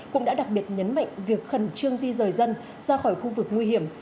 cũng đã đặc biệt nhấn mạnh việc khẩn trương di rời dân ra khỏi khu vực nguy hiểm